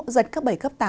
giật cấp bảy cấp tám